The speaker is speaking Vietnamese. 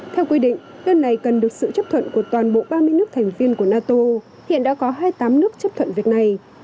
theo quy định đơn này cần được sự chấp thuận của toàn bộ ba mươi nước thành viên của nato hiện đã có hai mươi tám nước chấp thuận việc này